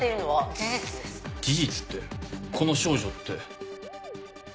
事実ってこの少女って。